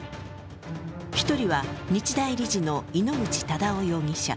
１人は日大理事の井ノ口忠男容疑者。